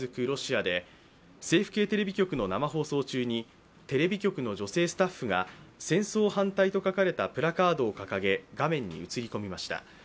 ロシアで政府系テレビ局の生放送中にテレビ局の女性スタッフが「戦争反対」と書かれたプラカードを掲げ、画面に映り込みました。